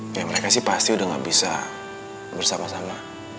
kayak mereka sih pasti udah gak bisa bersama sama